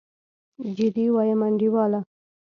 جدي وايم انډيواله.